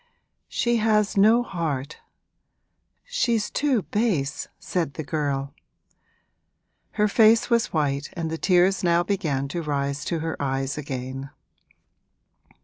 'She has no heart she's too base!' said the girl. Her face was white and the tears now began to rise to her eyes again.